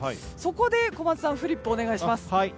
そこで小松さんフリップをお願いします。